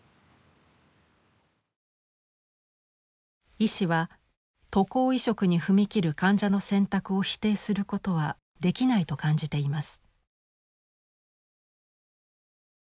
医師は渡航移植に踏み切る患者の選択を否定することはできないと感じています。